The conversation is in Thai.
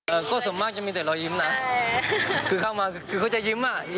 เออเขาก็หว่าล้อ